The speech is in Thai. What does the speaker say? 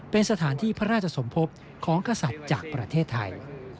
เป็นสถานที่พระราชสมภพของกษัตริย์จากประเทศไทย